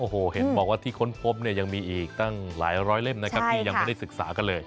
เห็นบอกว่าที่ค้นพบยังมีอีกตั้งหลายร้อยเล่มที่ยังไม่ได้ศึกษากันเลย